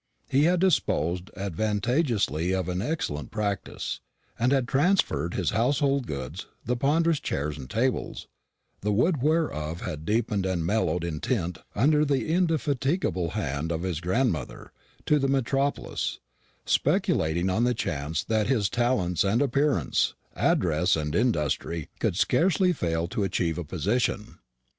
He had disposed advantageously of an excellent practice, and had transferred his household goods the ponderous chairs and tables, the wood whereof had deepened and mellowed in tint under the indefatigable hand of his grandmother to the metropolis, speculating on the chance that his talents and appearance, address and industry, could scarcely fail to achieve a position.